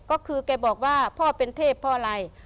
ก็คือแกบอกว่าพ่อเป็นเทพเพราะอะไร